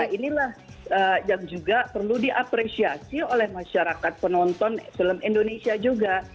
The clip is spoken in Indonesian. inilah yang juga perlu diapresiasi oleh masyarakat penonton film indonesia juga